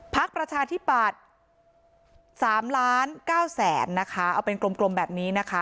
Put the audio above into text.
พักประชาธิบัติสามล้านเก้าแสนนะคะเอาเป็นกลมกลมแบบนี้นะคะ